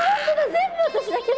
全部私だけど。